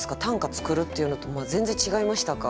作るっていうのと全然違いましたか？